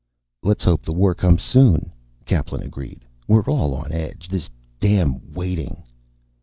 "Let's hope the war comes soon," Kaplan agreed. "We're all on edge. This damn waiting...."